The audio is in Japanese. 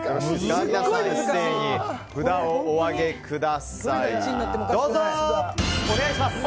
一斉に札をお上げください。